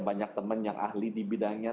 banyak teman yang ahli di bidangnya